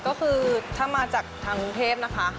ก็คือถ้ามาจากทางกรุงเทพนะคะ